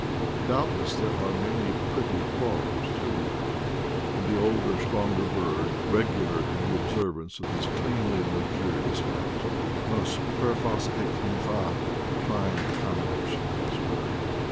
Doubtless there are many pretty quarrels too; and the older, stronger bird, regular in the observance of this cleanly luxurious habit, must, per fas et nefas, find accommodation somewhere.